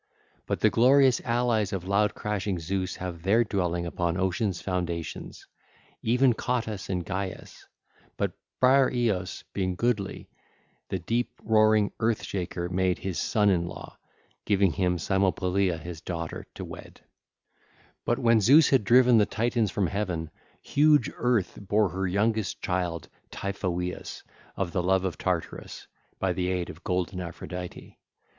But the glorious allies of loud crashing Zeus have their dwelling upon Ocean's foundations, even Cottus and Gyes; but Briareos, being goodly, the deep roaring Earth Shaker made his son in law, giving him Cymopolea his daughter to wed. (ll. 820 868) But when Zeus had driven the Titans from heaven, huge Earth bare her youngest child Typhoeus of the love of Tartarus, by the aid of golden Aphrodite.